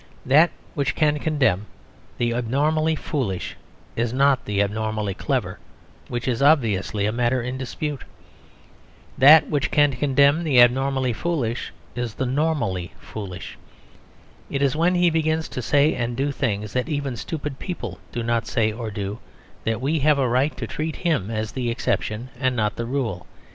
That which can condemn the abnormally foolish is not the abnormally clever, which is obviously a matter in dispute. That which can condemn the abnormally foolish is the normally foolish. It is when he begins to say and do things that even stupid people do not say or do, that we have a right to treat him as the exception and not the rule.